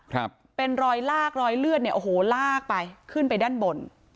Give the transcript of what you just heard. ครับเป็นรอยลากรอยเลือดเนี่ยโอ้โหลากไปขึ้นไปด้านบน